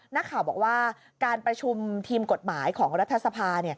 นักข่าวบอกว่าการประชุมทีมกฎหมายของรัฐสภา